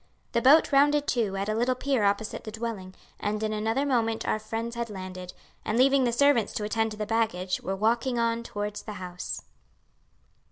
The boat rounded to at a little pier opposite the dwelling, and in another moment our friends had landed, and leaving the servants to attend to the baggage were walking on towards the house.